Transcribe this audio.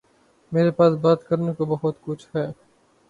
میرے پاس بات کرنے کو بہت کچھ ہے